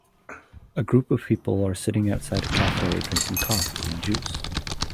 A group of people are sitting outside a cafe drinking coffee and juice.